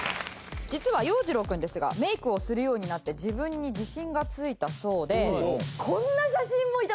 実は洋次郎くんですがメイクをするようになって自分に自信がついたそうでこんな写真も頂きました。